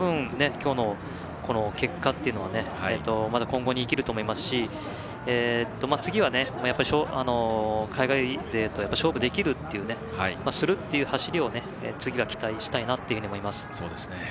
今日の結果っていうのは今後に生きると思いますし次は海外勢と勝負できる勝負するという走りを次は期待したいなと思います。